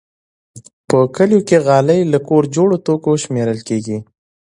په کلیو کې غالۍ له کور جوړو توکو شمېرل کېږي.